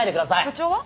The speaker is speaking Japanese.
部長は？